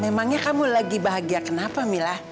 memangnya kamu lagi bahagia kenapa mila